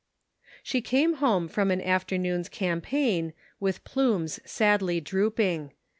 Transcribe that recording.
She came home from an afternoon's campaign with plumes sadly drooping.